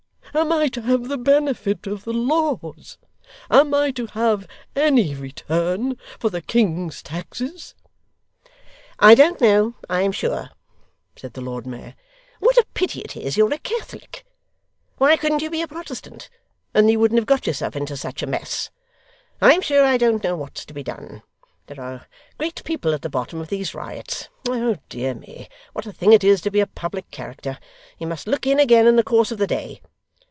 Am I to have the benefit of the laws? Am I to have any return for the King's taxes?' 'I don't know, I am sure,' said the Lord Mayor; 'what a pity it is you're a Catholic! Why couldn't you be a Protestant, and then you wouldn't have got yourself into such a mess? I'm sure I don't know what's to be done. There are great people at the bottom of these riots. Oh dear me, what a thing it is to be a public character! You must look in again in the course of the day.